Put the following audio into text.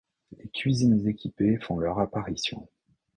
Les cuisines équipées font leur apparition.